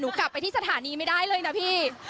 กลับไปที่สถานีไม่ได้เลยนะพี่